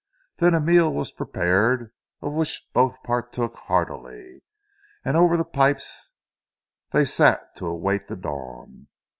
Then a meal was prepared of which both partook heartily; and over the pipes they sat to await the dawn.